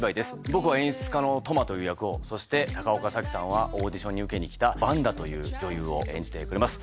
僕は演出家のトマという役をそして高岡早紀さんはオーディションに受けにきたヴァンダという女優を演じてくれます。